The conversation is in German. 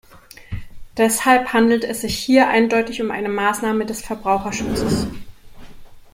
Deshalb handelt es sich hier eindeutig um eine Maßnahme des Verbraucherschutzes.